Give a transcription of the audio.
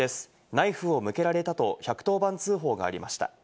ナイフを向けられたと１１０番通報がありました。